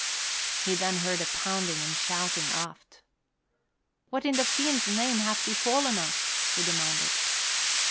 He then heard a pounding and shouting aft. "What in the fiend's name hath befallen us?" he demanded.